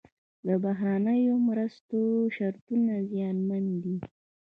د بهرنیو مرستو شرطونه زیانمن دي.